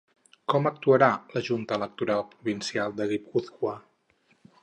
Com actuarà la Junta Electoral Provincial de Guipúscoa?